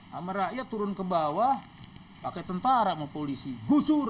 sama rakyat turun ke bawah pakai tentara mau polisi gusur